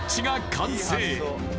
完成